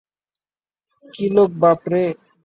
কি লোক বাপরে।